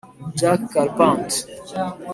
Jack Carpenter